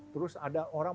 terus ada orang